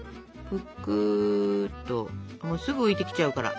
ぷくっとすぐ浮いてきちゃうから。